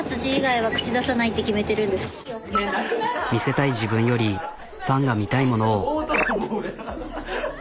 見せたい自分よりファンが見たいものを。